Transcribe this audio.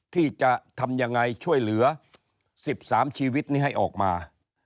ที่จะทำยังไงช่วยเหลือ๑๓ชีวิตนี้ให้ออกมา